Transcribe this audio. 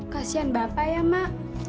kasian bapak ya mak